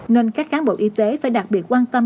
nên các cán bộ y tế phải đặc biệt quan tâm